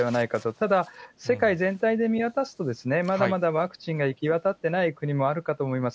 ただ、世界全体で見渡すと、まだまだワクチンが行き渡っていない国もあるかと思います。